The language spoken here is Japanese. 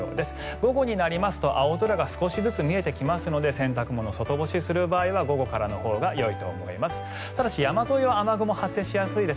午後になりますと青空が少しずつ見えてくるので洗濯物、外干しする場合は午後からのほうがよいと思います。